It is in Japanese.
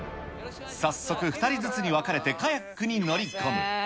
早速、２人ずつに分かれてカヤックに乗り込む。